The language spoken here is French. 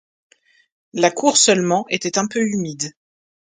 La cour seulement était un peu humide.